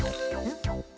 ん？